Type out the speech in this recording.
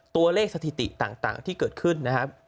สถิติต่างที่เกิดขึ้นนะครับ